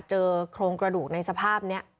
เจอโครงกระดูกในสภาพนี้